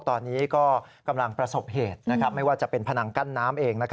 ตอนนี้ก็กำลังประสบเหตุไม่ว่าจะเป็นพนังกั้นน้ำเอง